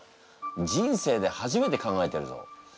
人生で初めて考えてるぞ。